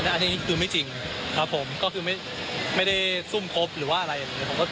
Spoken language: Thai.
แล้วอันนี้คือไม่จริงครับผมก็คือไม่ไม่ได้ซุ่มคบหรือว่าอะไรอย่างเงี้ยครับ